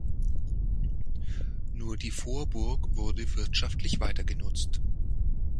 Nur die Vorburg wurde wirtschaftlich weitergenutzt.